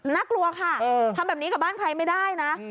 น่ากลัวค่ะทำแบบนี้กับบ้านใครไม่ได้นะ